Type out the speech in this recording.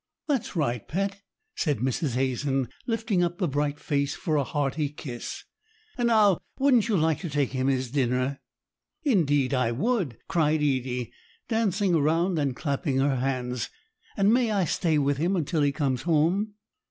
"That's right, pet," said Mrs. Hazen, lifting up the bright face for a hearty kiss. "And now wouldn't you like to take him his dinner?" "Indeed I would," cried Edie, dancing around and clapping her hands. "And may I stay with him until he comes home?"